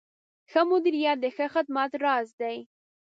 ښه مدیریت د ښه خدمت راز دی.